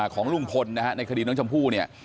ของลุงพลนะฮะในคดีน้องชมพู่เนี่ย